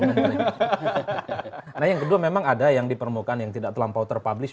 karena yang kedua memang ada yang di permukaan yang tidak terlampau terpublish